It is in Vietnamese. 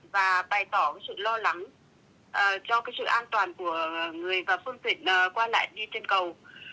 và bày tỏ sự lo lắng cho sự an toàn của người vào phương tiện qua lại trên cầu